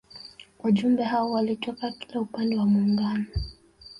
Wajumbe hao walitoka kila upande wa Muungano